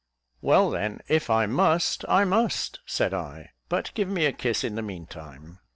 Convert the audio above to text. "Well then, if I must, I must," said I; "but give me a kiss in the meantime."